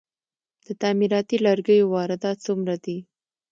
د تعمیراتي لرګیو واردات څومره دي؟